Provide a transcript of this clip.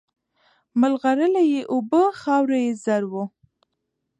مرغلري یې اوبه خاوره یې زر وه